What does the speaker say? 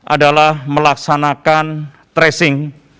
adalah melaksanakan tracing